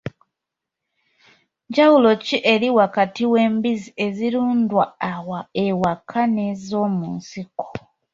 Njawulo ki eri wakati w'embizzi ezirundwa ewaka n'ezomunsiko.